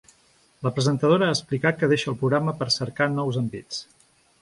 La presentadora ha explicat que deixa el programa per cercar nous envits.